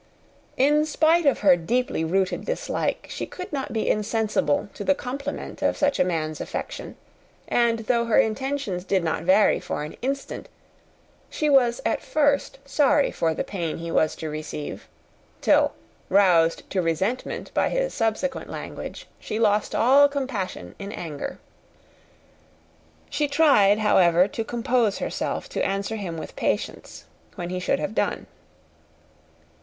In spite of her deeply rooted dislike, she could not be insensible to the compliment of such a man's affection, and though her intentions did not vary for an instant, she was at first sorry for the pain he was to receive; till roused to resentment by his subsequent language, she lost all compassion in anger. She tried, however, to compose herself to answer him with patience, when he should have done.